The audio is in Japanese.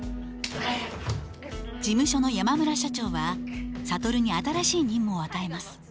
事務所の山村社長は諭に新しい任務を与えます。